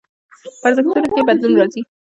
په ارزښتونو کې يې بدلون راځي.